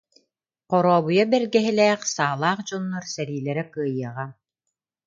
Хорообуйа бэргэһэлээх саалаах дьоннор сэриилэрэ кыайыаҕа